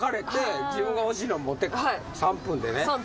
３分でね。